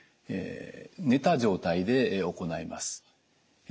寝た状態で行います。